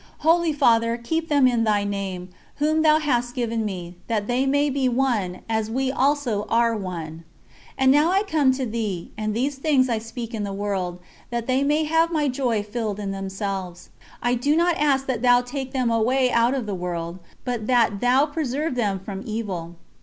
Holy Father, keep them in Thy name, whom Thou hast given me, that they may be one, as we also are one. And now I come to Thee, and these things I speak in the world, that they may have my joy filled in themselves. I do not ask that Thou take them away out of the world, but that Thou preserve them from evil.